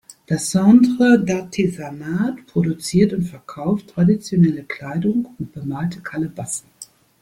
Das "Centre d’Artisanat" produziert und verkauft traditionelle Kleidung und bemalte Kalebassen.